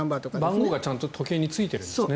番号がちゃんと時計についてるんですね。